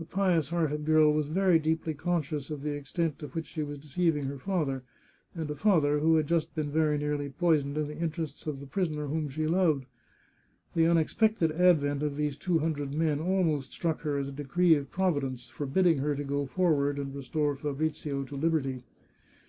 The pious hearted girl was very deeply conscious of the extent to which she was deceiving her father, and a father who had just been very nearly poisoned in the interests of the prisoner whom she loved. The unexpected advent of these two hun dred men almost struck her as a decree of Providence, for bidding her to go forward, and restore Fabrizio to liberty.